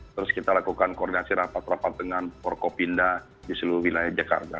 terus kita lakukan koordinasi rapat rapat dengan forkopinda di seluruh wilayah jakarta